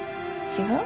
違う？